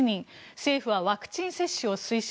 政府はワクチン接種を推進。